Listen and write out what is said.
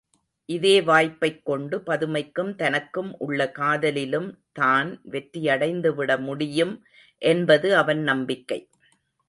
இதே வாய்ப்பைக் கொண்டு பதுமைக்கும் தனக்கும் உள்ள காதலிலும் தான் வெற்றியடைந்துவிட முடியும் என்பது அவன் நம்பிக்கை.